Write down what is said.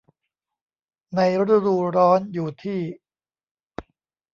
ในฤดูร้อนอยู่ที่